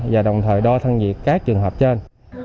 và đồng thời đo thân nhiệt các trường hợp trên